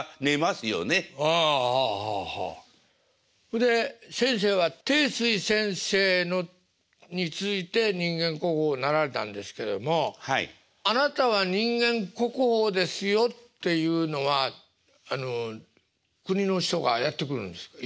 ほんで先生は貞水先生に次いで人間国宝になられたんですけどもあなたは人間国宝ですよっていうのはあの国の人がやって来るんですか？